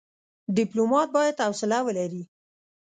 ډيپلومات بايد حوصله ولري.